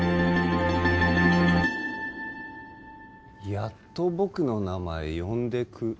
やっと僕の名前呼んでく